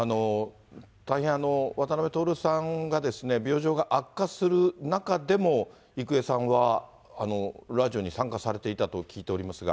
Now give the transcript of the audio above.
大変、渡辺徹さんが病状が悪化する中でも、郁恵さんはラジオに参加されていたと聞いておりますが。